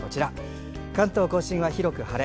関東・甲信は広く晴れ。